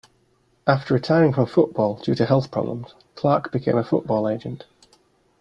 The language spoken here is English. After retiring from football due to health problems, Clarke became a football agent.